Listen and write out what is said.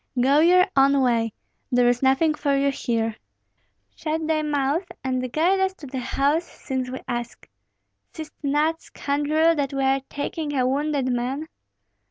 "Go your own way; there is nothing for you here." "Shut thy mouth, and guide us to the house since we ask. Seest not, scoundrel, that we are taking a wounded man?"